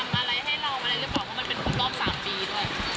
อะไรรึเปล่าเพราะว่ามันเป็นคุณรอบ๓ปีเถอะ